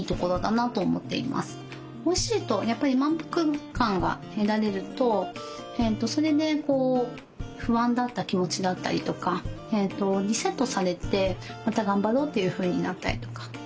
おいしいとやっぱり満腹感が得られるとそれで不安だった気持ちだったりとかリセットされてまた頑張ろうっていうふうになったりとか。